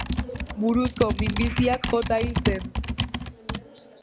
Buruko minbiziak jota hil zen.